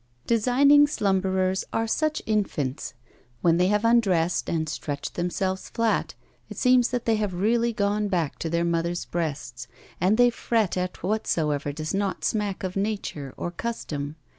Designing slumberers are such infants. When they have undressed and stretched themselves, flat, it seems that they have really gone back to their mothers' breasts, and they fret at whatsoever does not smack of nature, or custom.